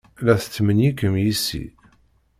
La tetmenyikem yes-i?